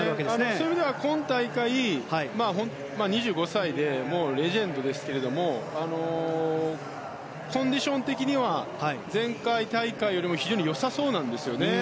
そういう意味では今大会２５歳でレジェンドですけどもコンディション的には前回大会よりも非常に良さそうなんですよね。